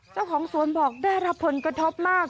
เจ้าของสวนบอกได้รับผลกระทบมาก